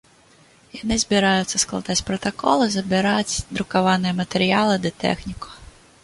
Яны збіраюцца складаць пратакол і забіраць друкаваныя матэрыялы ды тэхніку.